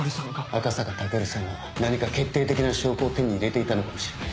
赤坂武尊さんは何か決定的な証拠を手に入れていたのかもしれない。